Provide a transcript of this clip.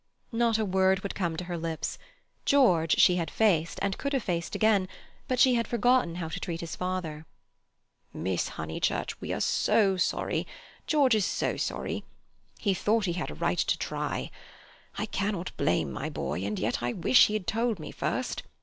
Not a word would come to her lips. George she had faced, and could have faced again, but she had forgotten how to treat his father. "Miss Honeychurch, dear, we are so sorry! George is so sorry! He thought he had a right to try. I cannot blame my boy, and yet I wish he had told me first.